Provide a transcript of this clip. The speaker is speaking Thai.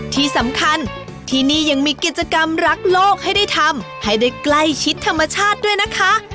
ที่สำคัญที่นี่ยังมีกิจกรรมรักโลกให้ได้ทำให้ได้ใกล้ชิดธรรมชาติด้วยนะคะ